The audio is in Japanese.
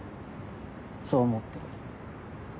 そう思ってる。